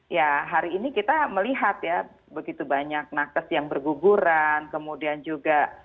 ya hari ini kita melihat ya begitu banyak nakes yang berguguran kemudian juga